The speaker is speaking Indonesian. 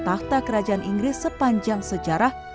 tahta kerajaan inggris sepanjang sejarah